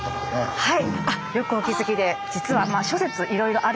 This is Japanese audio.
はい。